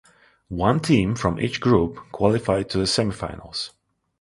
One team from each group qualified to the semi-finals.